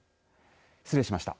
失礼しました。